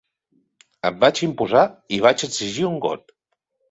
Em vaig imposar i vaig exigir un got.